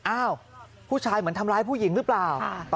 อ้าวผู้ชายเหมือนทำร้ายผู้หญิงหรือเปล่า